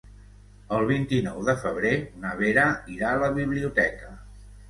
El vint-i-nou de febrer na Vera irà a la biblioteca.